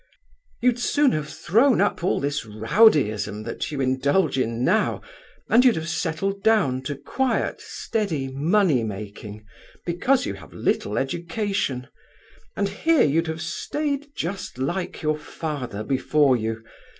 'You'd soon have thrown up all this rowdyism that you indulge in now, and you'd have settled down to quiet, steady money making, because you have little education; and here you'd have stayed just like your father before you.